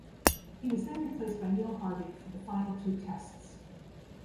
He was then replaced by Neil Harvey for the final two Tests.